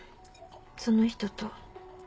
その人と。